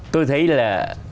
tôi thấy là